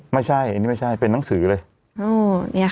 ไม่ใช่อันนี้ไม่ใช่เป็นนังสือเลย